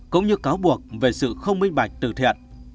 cũng như cáo buộc về sự không minh bạch từ thiện